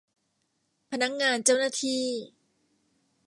พนักงานเจ้าหน้าที่